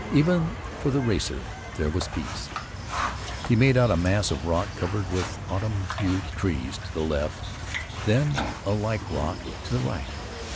Even for the racer there was peace. He made out a mass of rock covered with autumn hued trees to the left, then a like rock to the right.